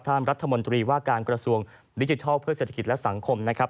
ท่านรัฐมนตรีว่าการกระทรวงดิจิทัลเพื่อเศรษฐกิจและสังคมนะครับ